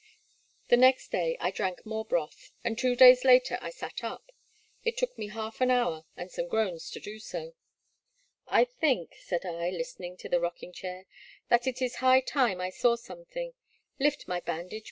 '' The next day I drank more broth, and two days later I sat up, — it took me half an hour and some groans to do so. I think," said I, listening to the rocking chair, that it is high time I saw something, lyift my bandage, please, Ysonde."